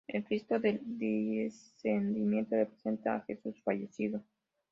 El Cristo del Descendimiento representa a Jesús fallecido.